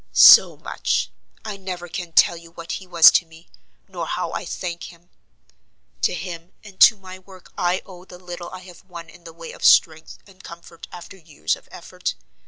"So much! I never can tell you what he was to me, nor how I thank him. To him, and to my work I owe the little I have won in the way of strength and comfort after years of effort.